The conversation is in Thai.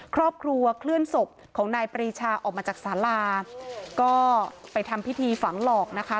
ครอบครัวเคลื่อนศพของนายปรีชาออกมาจากสาราก็ไปทำพิธีฝังหลอกนะคะ